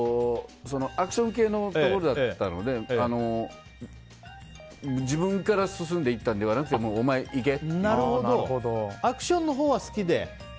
アクション系のところだったので自分から進んでいったのではなくてアクションのほうは好きで？